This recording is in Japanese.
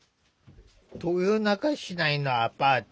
豊中市内のアパート。